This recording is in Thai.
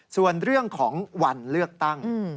ส่วนเรื่องของวันเลือกตั้ง